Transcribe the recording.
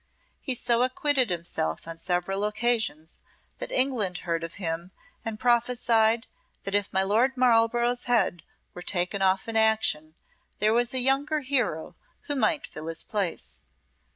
He so acquitted himself on several occasions that England heard of him and prophesied that if my Lord Marlborough's head were taken off in action there was a younger hero who might fill his place.